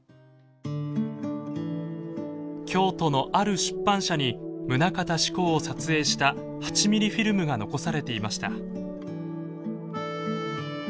京都のある出版社に棟方志功を撮影した８ミリフィルムが残されていました。